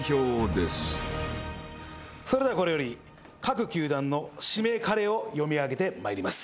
それではこれより各球団の指名カレーを読み上げてまいります。